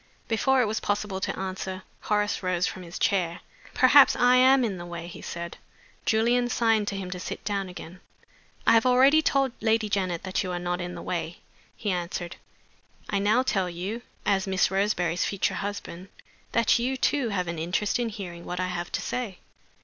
Before it was possible to answer, Horace rose from his chair. "Perhaps I am in the way?" he said. Julian signed to him to sit down again. "I have already told Lady Janet that you are not in the way," he answered. "I now tell you as Miss Roseberry's future husband that you, too, have an interest in hearing what I have to say."